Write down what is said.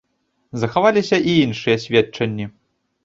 Захаваліся і іншыя сведчанні.